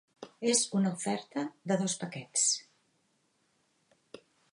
És una oferta de dos paquets.